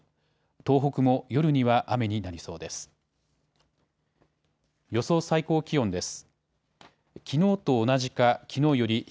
東北も夜には雨になりそうです。